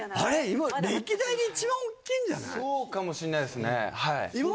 今そうかもしんないですね